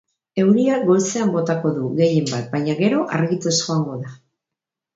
Euria goizean botako du, gehien bat, baina gero argituz joango da.